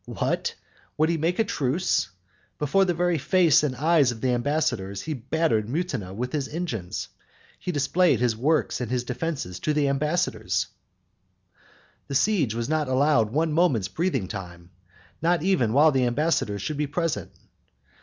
What? would he make a truce? Before the very face and eyes of the ambassadors he battered Mutina with his engines. He displayed his works and his defences to the ambassadors. The siege was not allowed one moment's breathing time, not even while the ambassadors should be present.